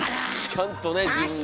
ちゃんとね自分で。